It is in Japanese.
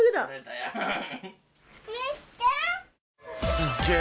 すっげぇ。